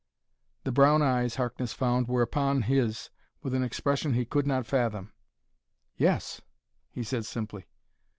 The brown eyes, Harkness found, were upon his with an expression he could not fathom. "Yes," he said simply.